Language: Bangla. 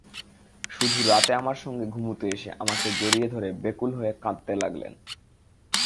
শুধু রাতে আমার সঙ্গে ঘুমুতে এসে আমাকে জড়িয়ে ধরে ব্যাকুল হয়ে কাঁদতে লাগলেন।